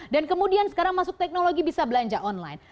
dan kemudian sekarang masuk teknologi bisa belanja online